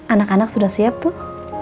anak anak sudah siap tuh